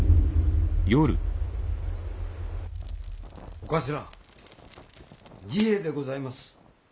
・お頭治平でございます。